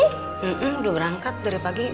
nggak udah berangkat dari pagi